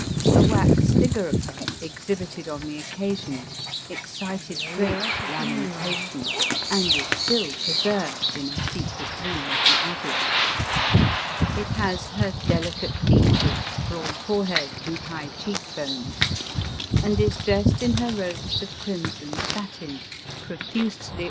A wax figure of her, exhibited on the occasion, excited great lamentation, and is still preserved in a secret room of the Abbey. It has her delicate features, broad forehead and high cheek bones ; and is dressed in her robes of crimson satin, profusely 14* 322 ELIZABETH OF ENGLAND.